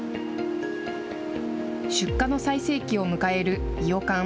出荷の最盛期を迎えるいよかん。